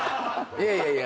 いやいやいや。